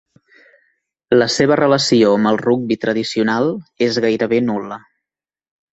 La seva relació amb el rugbi tradicional és gairebé nul·la.